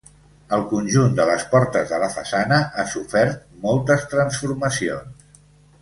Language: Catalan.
El conjunt de les portes de la façana ha sofert moltes transformacions.